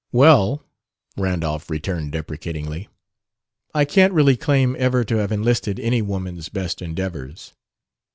"Well," Randolph returned deprecatingly, "I can't really claim ever to have enlisted any woman's best endeavors."